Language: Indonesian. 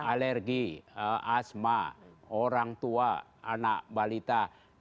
alergi asma orang tua anak balita